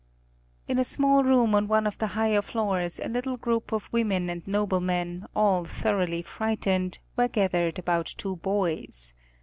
In a small room on one of the higher floors a little group of women and noblemen, all thoroughly frightened, were gathered about two boys.